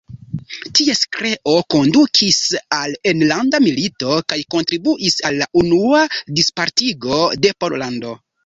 Ties kreo kondukis al enlanda milito kaj kontribuis al la Unua Dispartigo de Pollando.